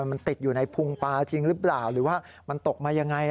มันติดอยู่ในพุงปลาจริงหรือเปล่าหรือว่ามันตกมายังไง